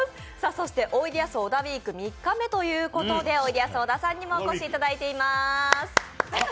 そしておいでやす小田ウィーク３日目ということで、おいでやす小田さんにもお越しいただいています。